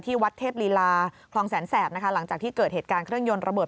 วัดเทพลีลาคลองแสนแสบนะคะหลังจากที่เกิดเหตุการณ์เครื่องยนต์ระเบิด